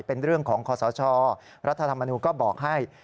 เป็นเรื่องของคอสชรัฐธรรมนูญก็บอกให้